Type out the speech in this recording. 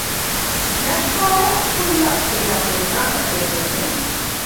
ނަޝްފާ އަށާ ރާހުލްއަށް އޭނާ ފެންނާކަށް ބޭނުމެއް ނުވެ